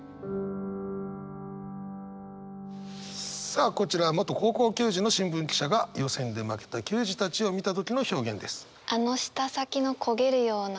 さあこちらは元高校球児の新聞記者が予選で負けた球児たちを見た時の表現です。